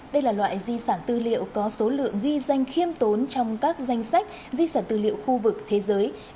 đây là loại di sản tư liệu có số lượng ghi danh khiêm tốn trong các danh sách di sản tư liệu khu vực thế giới